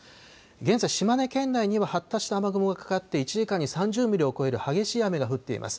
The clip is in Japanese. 現在、島根県内には発達した雨雲がかかって、１時間に３０ミリを超える激しい雨が降っています。